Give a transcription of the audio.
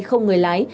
không người lái